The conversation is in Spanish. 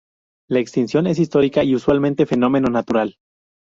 La extinción es histórica y usualmente un fenómeno natural.